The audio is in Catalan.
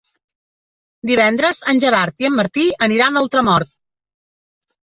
Divendres en Gerard i en Martí aniran a Ultramort.